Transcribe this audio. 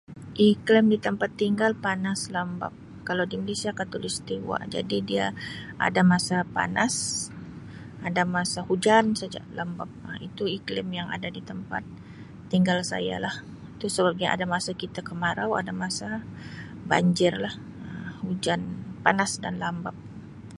Iklim di tempat tinggal panas lembap kalau di Malaysia khatulistiwa jadi dia ada masa panas ada masa hujan saja lembap Um itu iklim yang ada di tempat tinggal saya lah itu sebabnya ada masa kita kemarau ada masa banjir lah hujan panas dan lambap.